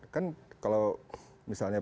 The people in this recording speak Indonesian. kan kalau misalnya